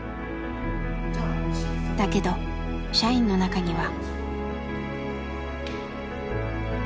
だけど社員の中には。